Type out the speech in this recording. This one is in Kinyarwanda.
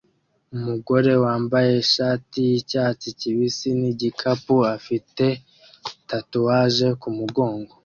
Umugore wambaye ishati yicyatsi kibisi nigikapu afite tatuwaje kumugongo